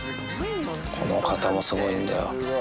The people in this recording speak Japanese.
この方はすごいんだよ。